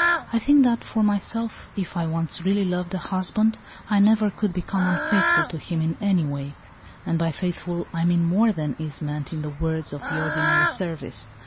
I think that, for myself, if I once really loved a husband, I never could become unfaithful to him in any way ; and, by faithful, I mean more than is meant in the words of the ordinary service.